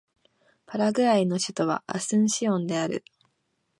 パラグアイの首都はアスンシオンである